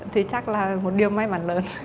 thì chắc là một điều may mắn lớn